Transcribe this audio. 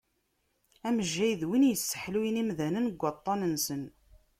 Amejjay d win yesseḥluyen imdanen seg waṭṭan-nsen.